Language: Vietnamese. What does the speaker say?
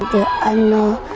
được ăn no